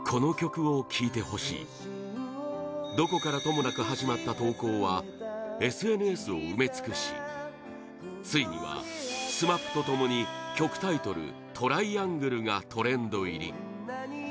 どこからともなく始まった投稿はＳＮＳを埋め尽くしついにはＳＭＡＰと共に曲タイトル「Ｔｒｉａｎｇｌｅ」がトレンド入り